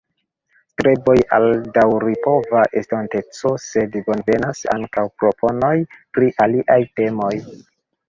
Streboj al daŭripova estonteco, sed bonvenas ankaŭ proponoj pri aliaj temoj.